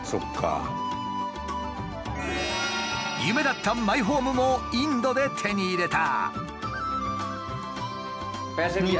夢だったマイホームもインドで手に入れた。